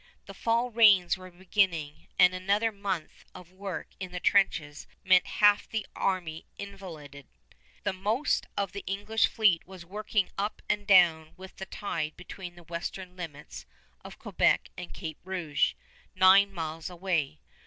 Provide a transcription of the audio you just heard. The fall rains were beginning, and another month of work in the trenches meant half the army invalided. The most of the English fleet was working up and down with the tide between the western limits of Quebec and Cape Rouge, nine miles away.